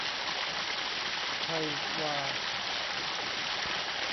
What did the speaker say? ไทยวา